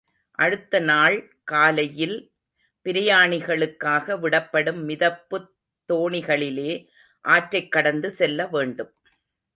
அடுத்த நாள் காலையில் பிரயாணிகளுக்காக விடப்படும் மிதப்புத் தோணிகளிலே ஆற்றைக் கடந்து செல்லவேண்டும்.